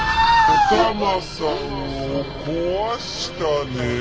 お玉さんを壊したねぇ。